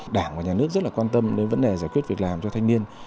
đảng và nhà nước rất là quan tâm đến vấn đề giải quyết việc làm cho thanh niên